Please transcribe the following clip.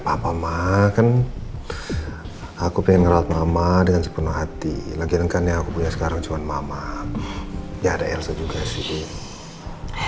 para makan aku pengen orang ama dengan sepenuh hati lagi lengkapnya aku punya sekarang cuma super hearty lagi kan ya aku punya sekarang cuma maksa pertama mamar aja kamu ada turning point crispies